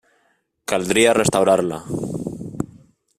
Caldria restaurar-la.